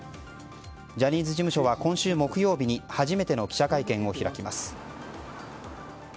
ジャニーズ事務所は今週木曜日に初めての記者会見を開きます。